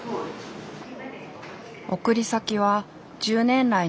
送り先は１０年来の友人。